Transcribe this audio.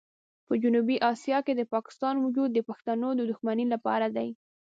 په جنوبي اسیا کې د پاکستان وجود د پښتنو د دښمنۍ لپاره دی.